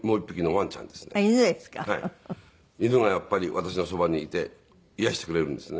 犬がやっぱり私のそばにいて癒やしてくれるんですね。